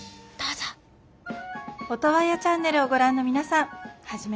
オトワヤチャンネルをご覧の皆さんはじめまして。